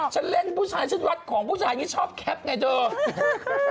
ฉันเล่นผู้ชายชื่นวัดของผู้ชายอันนี้ชอบแคปไงเถอะ